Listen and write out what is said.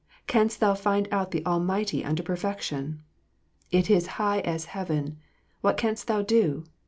canst thou find out the Almighty unto perfection 1 It is high as heaven ; what canst thou do